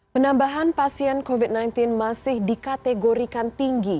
penambahan pasien covid sembilan belas masih dikategorikan tinggi